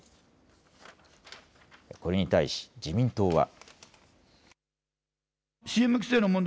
これに対し自民党は。